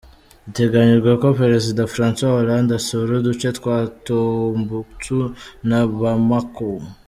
Biteganyijwe ko Perezida François Hollande asura uduce twa Tombouctou na Bamako.